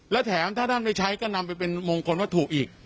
และแถมถ้าท่านได้ใช้ก็นำไปเป็นมงคลวัตถุอีก